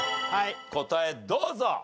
答えどうぞ！